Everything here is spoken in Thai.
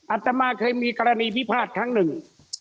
อัตมาเคยมีกรณีพิพาทครั้งหนึ่ง